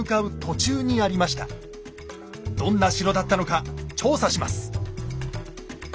どんな城だったのか調査します。